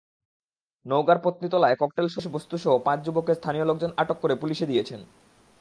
নওগাঁর পত্নীতলায় ককটেলসদৃশ বস্তুসহ পাঁচ যুবককে স্থানীয় লোকজন আটক করে পুলিশে দিয়েছেন।